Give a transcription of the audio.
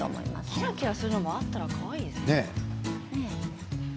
キラキラするのがあるとかわいいですね。